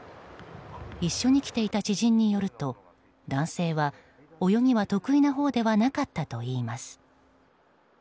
一緒に来ていた知人によると男性は泳ぎは得意なほうではなかったといいます。